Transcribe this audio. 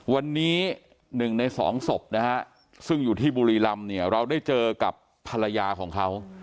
วันนี้หนึ่งในสองศพซึ่งอยู่ที่บุรีรำเราได้เจอกับภรรยาของเขา